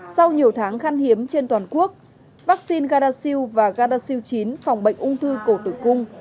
sau nhiều tháng khăn hiếm trên toàn quốc vaccine gardasil và gardasil chín phòng bệnh ung thư cổ tử cung